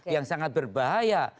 yang sangat berbahaya